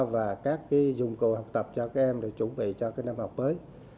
và các dụng cụ học tập cho các em để chuẩn bị cho năm học mới